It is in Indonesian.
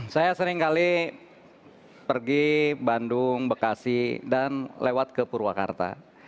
saya seringkali pergi bandung bekasi dan lewat ke purwakarta